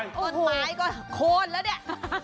ต้นไม้ก็โคนแล้วเนี่ย